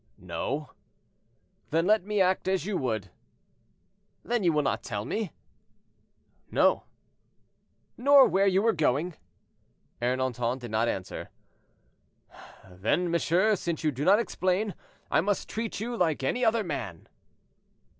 "No." "Then let me act as you would." "Then you will not tell me?" "No." "Nor where you were going?" Ernanton did not answer. "Then, monsieur, since you do not explain, I must treat you like any other man."